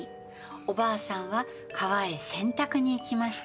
「おばあさんは川へ洗濯に行きました」